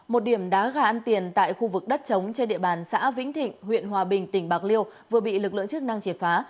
một điểm đá gà ăn tiền tại khu vực đất trống trên địa bàn xã vĩnh thịnh huyện hòa bình tỉnh bạc liêu vừa bị lực lượng chức năng triệt phá